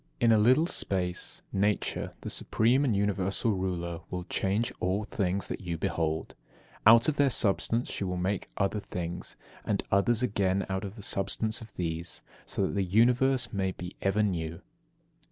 25. In a little space Nature, the supreme and universal ruler, will change all things that you behold; out of their substance she will make other things, and others again out of the substance of these, so that the Universe may be ever new.